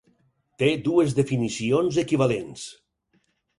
Té dues definicions equivalents.